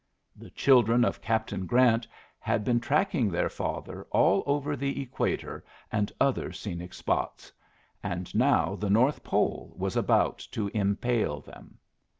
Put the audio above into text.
The children of Captain Grant had been tracking their father all over the equator and other scenic spots, and now the north pole was about to impale them.